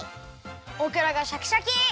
オクラがシャキシャキ！